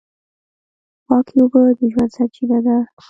پاکې اوبه د ژوند سرچینه ده.